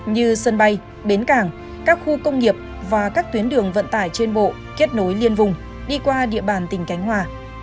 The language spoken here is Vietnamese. như sân bay bến cảng các khu công nghiệp và các tuyến đường vận tải trên bộ kết nối liên vùng đi qua địa bàn tỉnh khánh hòa